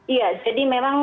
iya jadi memang